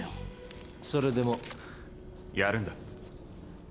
それでもやるんだ